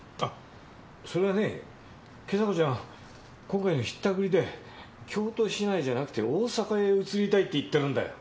今回の引ったくりで京都市内じゃなくて大阪へ移りたいって言ってるんだよ。